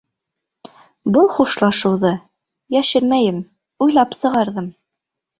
Был хушлашыуҙы, йәшермәйем, уйлап сығарҙым.